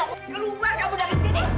aku ingin keluar dari sini